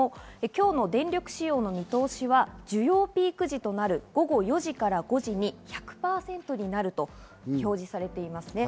今日の電力使用の見通しは重要ピーク時となる午後４時から５時に１００％になると表示されています。